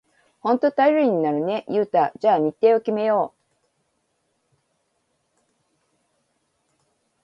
ほんと頼りになるね、ユウタ。じゃあ日程を決めよう！